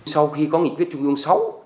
sau khi có nghị quyết trung ương sáu